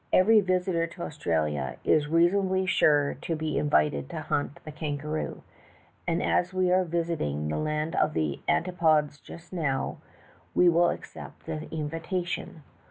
Every visitor to Australia is reasonably sure to be invited to hunt the kangaroo, and, as we are vis iting the land of the antipodes just now, we will accept the invitation.